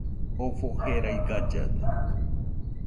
Jofo jerai gallade